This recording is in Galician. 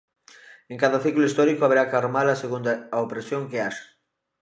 En cada ciclo histórico haberá que armala segundo a opresión que haxa.